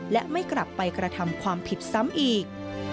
และไม่กลับไปกระทำความผิดซ้ำอีก